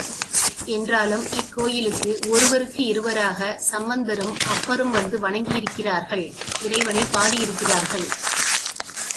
என்றாலும் இக்கோயிலுக்கு ஒருவருக்கு இருவராக, சம்பந்தரும், அப்பரும் வந்து வணங்கியிருக்கிறார்கள் இறைவனைப் பாடியிருக்கிறார்கள்.